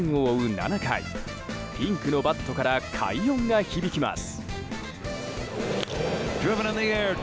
７回ピンクのバットから快音が響きます。